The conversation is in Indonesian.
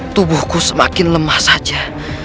tubuhku semakin lemah saja